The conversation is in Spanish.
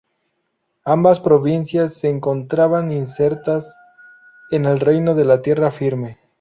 Ambas provincias se encontraban insertas en el Reino de Tierra Firme.